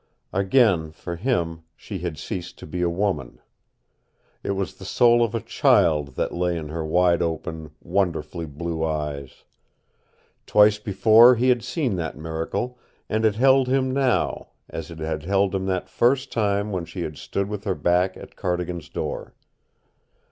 Again, for him, she had ceased to be a woman. It was the soul of a child that lay in her wide open, wonderfully blue eyes. Twice before he had seen that miracle, and it held him now, as it had held him that first time when she had stood with her back at Cardigan's door.